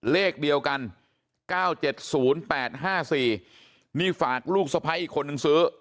เลขเดียวกัน๙๗๐๘๕๔นี่ฝากลูกสะพ้ายอีกคนนึงซื้อ